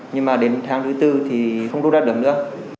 nhưng mà đến tháng thứ tư thì không thu đắt được nữa